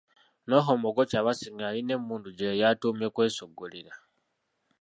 Noho Mbogo Kyabasinga yalina emmundu gyeyali atuumye Kwesoggolera.